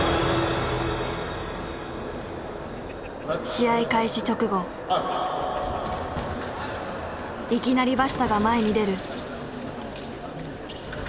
試合開始直後いきなりバシタが前に出る。